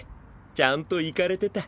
ちゃんとイカれてた。